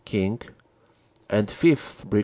King; and 5th., Brig.